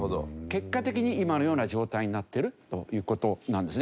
結果的に今のような状態になっているという事なんですね。